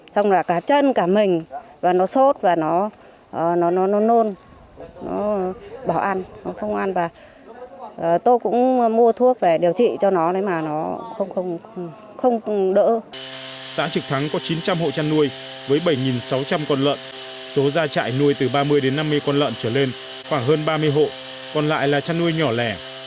xã trực thắng có chín trăm linh hộ chăn nuôi với bảy sáu trăm linh con lợn số ra trại nuôi từ ba mươi đến năm mươi con lợn trở lên khoảng hơn ba mươi hộ còn lại là chăn nuôi nhỏ lẻ